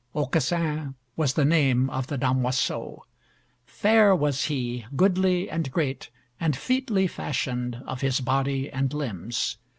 Aucassin was the name of the damoiseau: fair was he, goodly, and great, and featly fashioned of his body and limbs.